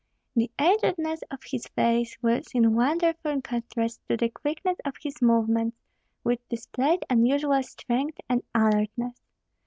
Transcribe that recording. The agedness of his face was in wonderful contrast to the quickness of his movements, which displayed unusual strength and alertness.